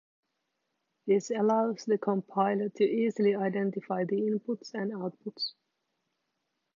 This allows the compiler to easily identify the inputs and outputs.